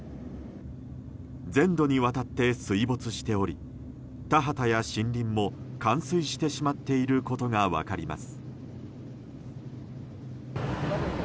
全土にわたって水没しており田畑や森林も冠水してしまっていることが分かります。